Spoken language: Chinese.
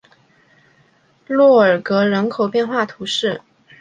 洛尔格人口变化图示